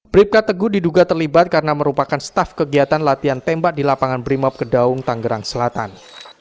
bribka teguh diduga terlibat karena merupakan staf kegiatan latihan tembak di lapangan brimob kedaung tanggerang selatan